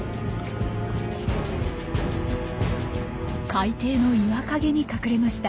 海底の岩陰に隠れました。